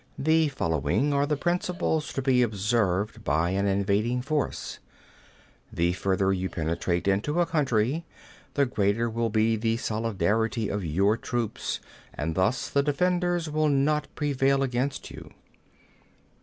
20. The following are the principles to be observed by an invading force: The further you penetrate into a country, the greater will be the solidarity of your troops, and thus the defenders will not prevail against you.